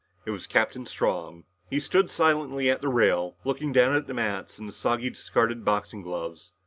It was Captain Strong. He stood silently at the rail, looking down at the mats and the soggy discarded boxing gloves.